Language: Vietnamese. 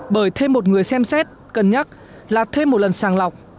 bởi thêm một người xem xét cân nhắc là thêm một lần sàng lọc